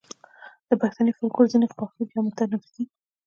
د پښتني فوکلور ځینې خواخوږي او منتقدین.